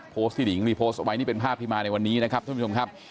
ที่หนิงรีโพสต์เอาไว้นี่เป็นภาพที่มาในวันนี้นะครับท่านผู้ชมครับ